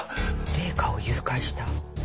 「麗華を誘拐した」。